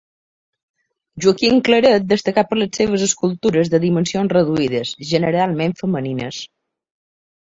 Joaquim Claret destacà per les seves escultures de dimensions reduïdes, generalment femenines.